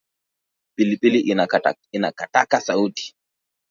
Pilipili inakataka sauti